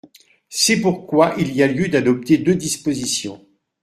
C’est pourquoi il y a lieu d’adopter deux dispositions.